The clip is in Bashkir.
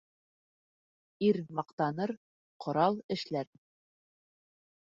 Ир маҡтаныр, ҡорал эшләр.